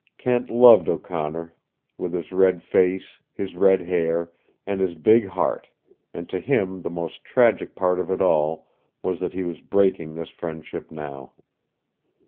Kent loved O'Connor, with his red face, his red hair, and his big heart, and to him the most tragic part of it all was that he was breaking this friendship now.